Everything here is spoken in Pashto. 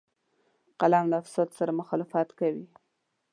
قلم له فساد سره مخالفت کوي